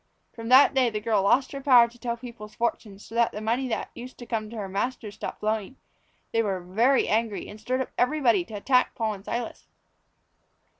From that day the girl lost her power to tell people's fortunes, so that the money that used to come to her masters stopped flowing. They were very angry and stirred up everybody to attack Paul and Silas.